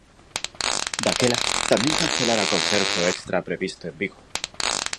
Daquela, tamén cancelara o concerto extra previsto en Vigo.